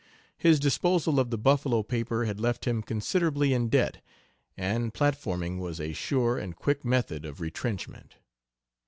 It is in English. His disposal of the Buffalo paper had left him considerably in debt, and platforming was a sure and quick method of retrenchment.